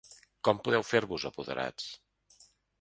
Com podeu fer-vos apoderats?